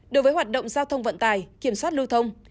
đối với hoạt động giao thông vận tải kiểm soát lưu thông